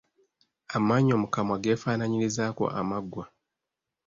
Amannyo mu kamwa geefaanaanyirizaako amaggwa.